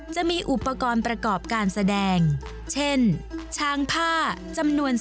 จะมีอุปกรณ์ประกอบการแสดงเช่นช้างผ้าจำนวน